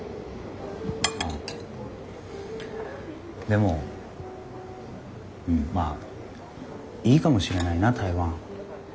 でもまあいいかもしれないな台湾。